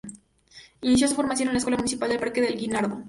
Inició su formación en la Escuela Municipal del Parque del Guinardó.